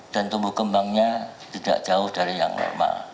dan tumbuh kembangnya tidak jauh dari yang normal